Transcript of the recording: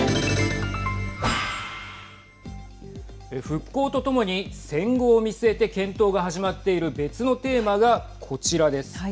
復興とともに戦後を見据えて検討が始まっている別のテーマがこちらです。